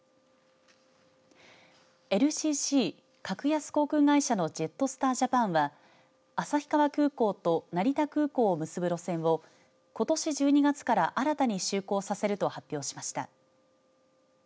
ＬＣＣ、格安航空会社のジェットスター・ジャパンは旭川空港と成田空港を結ぶ路線をことし１２月から新たに就航させると発表しました。